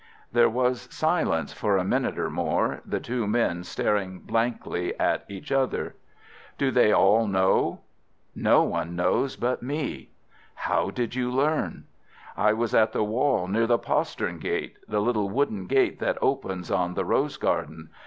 There was silence for a minute or more, the two men staring blankly at each other. "Do they all know?" "No one knows but me." "How did you learn?" "I was at the wall near the postern gate—the little wooden gate that opens on the rose garden.